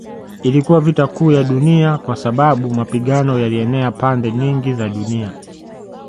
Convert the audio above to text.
Iliitwa Vita Kuu ya Dunia kwa sababu mapigano yalienea pande nyingi za dunia